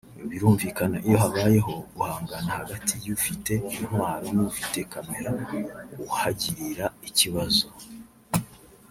Birumvikana iyo habayeho guhangana hagati y’ifite intwaro n’ufite camera uhagirira ikibazo